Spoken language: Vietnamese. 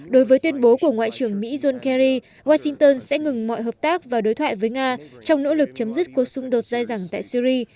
đối với tuyên bố của ngoại trưởng mỹ john kerry washington sẽ ngừng mọi hợp tác và đối thoại với nga trong nỗ lực chấm dứt cuộc xung đột dài dẳng tại syri